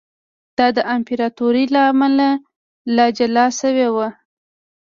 دا د امپراتورۍ له امله له جلا شوی و